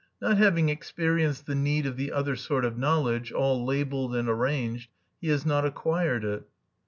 Not having experienced the need of the other sort of knowledge, all labeled and arranged, he has not acquired it.